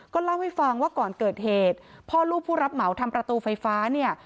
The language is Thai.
เล่าให้ฟังว่าก่อนเกิดเหตุพ่อลูกผู้รับเหมาทำประตูไฟฟ้าเนี่ย